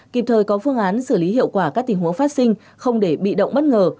kịp thời có phương án xử lý hiệu quả các tình huống phát sinh không để bị động bất ngờ